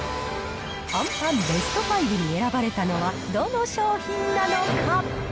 あんパンベスト５に選ばれたのはどの商品なのか？